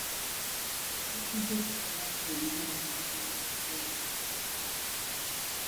Ffe tukuze tukola ffena emirimu bwegiti.